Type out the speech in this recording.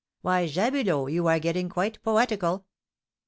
"Why, Jabulot, you are getting quite poetical."